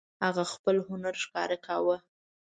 هغه خپل هنر ښکاره کاوه.